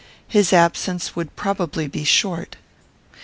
His absence would probably be short.